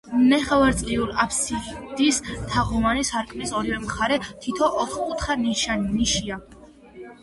ნახევარწრიულ აფსიდის თაღოვანი სარკმლის ორივე მხარეს თითო ოთხკუთხა ნიშია.